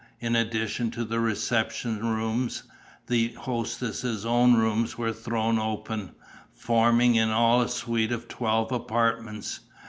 In addition to the reception rooms, the hostess' own rooms were thrown open, forming in all a suite of twelve apartments.